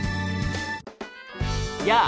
やあ！